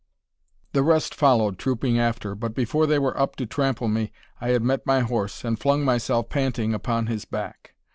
The rest followed, trooping after; but before they were up to trample me, I had met my horse, and flung myself, panting, upon his back!